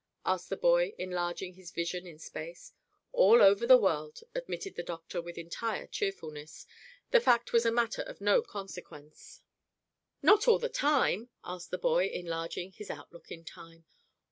asked the boy, enlarging his vision in space. "All over the world," admitted the doctor with entire cheerfulness; the fact was a matter of no consequence. "Not all the time?" asked the boy, enlarging his outlook in time.